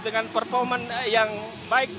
dengan performance yang baik